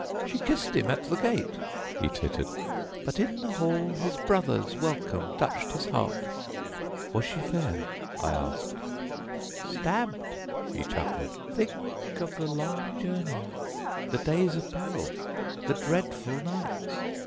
"She kissed him at the gate," he tittered, "but in the hall his brother's welcome touched his heart." "Was she fair?" I asked. "Stabbed," he chuckled. "Think of the long journey, the days of peril, the dreadful nights!